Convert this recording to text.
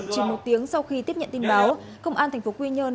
chỉ một tiếng sau khi tiếp nhận tin báo công an tp quy nhơn